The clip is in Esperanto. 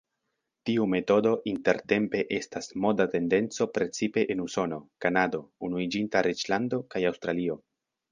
Tiu metodo intertempe estas moda tendenco precipe en Usono, Kanado, Unuiĝinta Reĝlando kaj Aŭstralio.